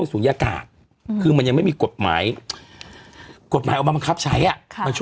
อืมอืมอืมอืมอืมอืมอืมอืม